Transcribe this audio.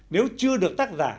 nếu chưa được tác giả